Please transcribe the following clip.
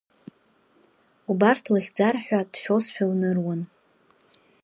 Убарҭ лыхьӡар ҳәа дшәозшәа лныруан.